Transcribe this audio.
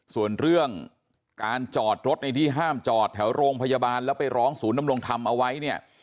ส่วนเรื่องการจอดรถในที่ห้ามจอดแถวโรงพยาบาลแล้วไปร้องศูนย์ดำรงธรรมเอาไว้เนี่ย